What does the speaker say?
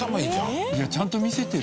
ちゃんと見せてる？